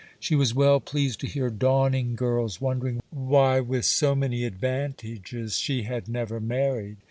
She was well pleased to hear dawning girls wondering why with so many advantages she had never married.